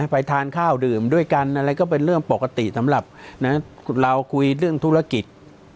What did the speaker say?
ไปทานข้าวดื่มด้วยกันอะไรก็เป็นเรื่องปกติสำหรับเราคุยเรื่องธุรกิจ